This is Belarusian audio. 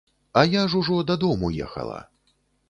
А я ж ужо дадому ехала.